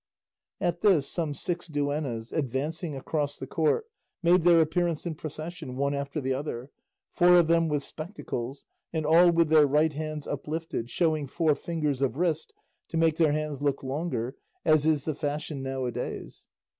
At this some six duennas, advancing across the court, made their appearance in procession, one after the other, four of them with spectacles, and all with their right hands uplifted, showing four fingers of wrist to make their hands look longer, as is the fashion now a days.